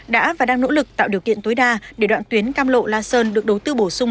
đã và đang nỗ lực tạo điều kiện tối đa để đoạn tuyến cam lộ la sơn được đối tư bổ sung